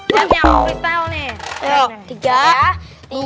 dan yang detail nih